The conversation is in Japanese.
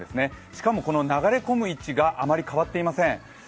しかも、この流れ込む位置があまり変わっていません。